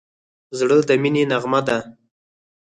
زړه د مینې نغمه ده.